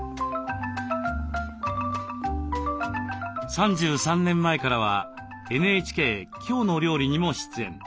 ３３年前からはＮＨＫ「きょうの料理」にも出演。